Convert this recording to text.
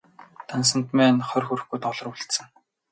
Дансанд маань хорь хүрэхгүй доллар үлдсэн.